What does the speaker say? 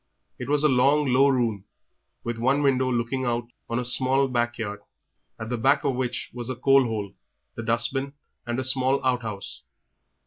It was a long, low room, with one window looking on a small back yard, at the back of which was the coal hole, the dust bin, and a small outhouse.